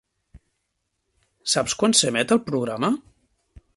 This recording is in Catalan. Saps quan s'emet el programa?